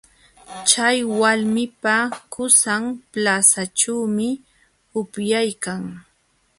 Chay walmipa qusan plazaćhuumi upyaykan.